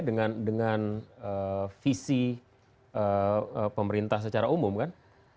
dengan visi pemerintah secara umum kan